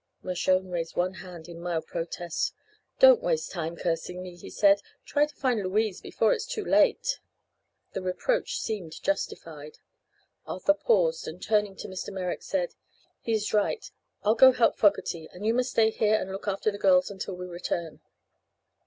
Mershone raised one hand in mild protest. "Don't waste time cursing me," he said. "Try to find Louise before it is too late." The reproach seemed justified. Arthur paused and turning to Mr. Merrick said: "He is right. I'll go help Fogerty, and you must stay here and look after the girls until we return."